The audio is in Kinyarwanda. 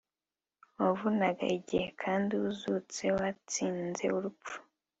wavunaga, igihe kandi uzutse watsinze urupfu